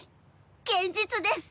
現実です！